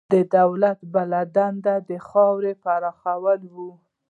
د دولت بله دنده د خاورې پراخول وو.